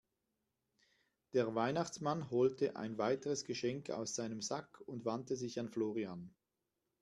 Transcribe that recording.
Der Weihnachtsmann holte ein weiteres Geschenk aus seinem Sack und wandte sich an Florian.